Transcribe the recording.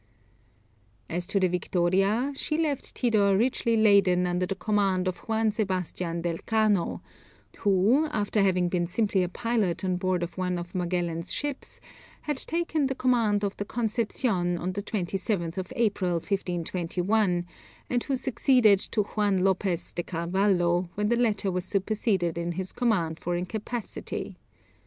As to the Victoria, she left Tidor richly laden under the command of Juan Sebastian del Cano, who, after having been simply a pilot on board one of Magellan's ships, had taken the command of the Concepcion on the 27th of April, 1521, and who succeeded to Juan Lopez de Carvalho, when the latter was superseded in his command for incapacity.